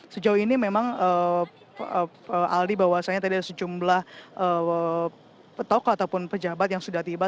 sejauh ini memang aldi bahwasannya tadi ada sejumlah tokoh ataupun pejabat yang sudah tiba